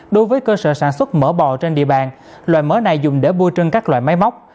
đối với cơ sở sản xuất mỡ bò trên địa bàn loại mỡ này dùng để bôi chân các loại máy móc